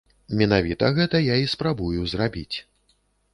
Менавіта гэта я і спрабую зрабіць.